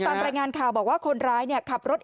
ตามรายงานข่าวบอกว่าคนร้ายขับรถ